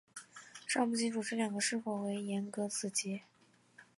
尚不清楚这两个是否为严格子集。